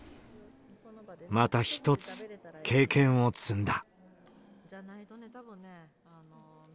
また一つ経験を積んだ。